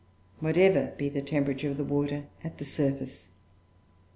whatever be the temperature of the water at the surface.